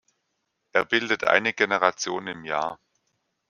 Er bildet eine Generation im Jahr.